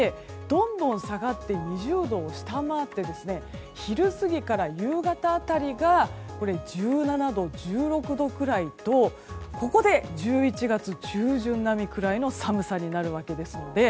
どんどん下がって２０度を下回って昼過ぎから夕方辺りが１７度、１６度くらいとここで１１月中旬並みくらいの寒さになるわけですので。